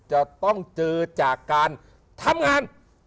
จะต้องเจอจากการทำงาน